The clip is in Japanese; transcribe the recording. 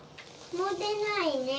もうでないね。